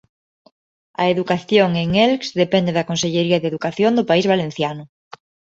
A educación en Elx depende da Consellería de Educación do País Valenciano.